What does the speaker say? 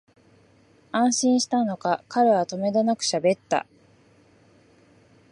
安心したのか、彼はとめどなくしゃべった